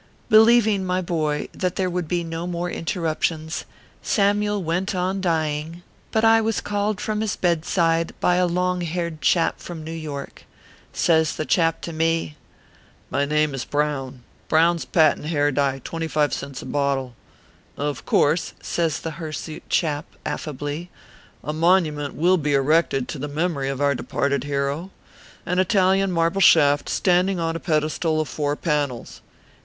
Believing, my boy, that there would be no more interruptions, Samyule went on dying ; but I was called from his bedside by a long haired chap from New York. Says the chap to me :" My name is Brown Brown s Patent Hair Dye, 25 cents a bottle. Of course," says the hirsute chap, affably, " a monument will be erected to the memory of our departed hero. An Italian marble shaft, stand ing on a pedestal of four panels.